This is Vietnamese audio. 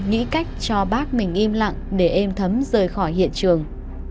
nghĩ cách cho bác mình im lặng để êm thấm rời khỏi hiện trường